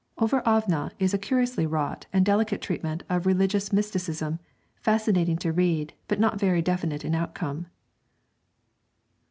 'Over Ævne' is a curiously wrought and delicate treatment of religious mysticism, fascinating to read, but not very definite in outcome.